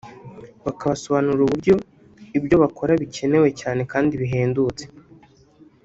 bakabasobanurira uburyo ibyo bakora bikenewe cyane kandi bihendutse